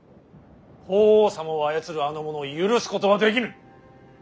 法皇様を操るあの者を許すことはできぬ。